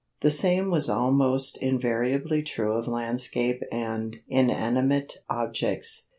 The same was almost invariably true of landscape and inanimate objects.